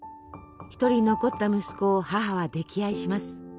１人残った息子を母は溺愛します。